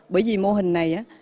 bởi vì mô hình này